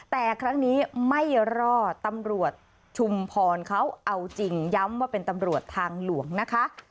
แต่ครั้งนี้ไม่รอดตำรวจชุมพรเขาเอาจริงย้ำว่าเป็นตำรวจทางหลวงนะคะ